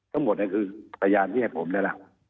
ทั้งหมดนั้นคือพยานที่ให้ผมได้ล่ะ